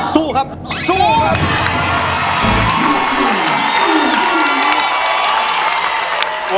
สู้ครับสู้ครับ